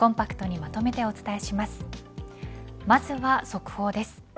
まずは速報です。